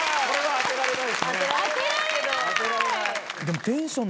当てられない！